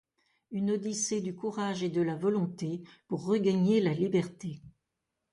Une odyssée du courage et de la volonté pour regagner la liberté.